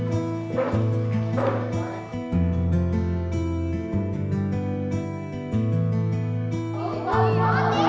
aku tak mau